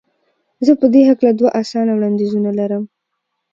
زه په دې هکله دوه اسانه وړاندیزونه لرم.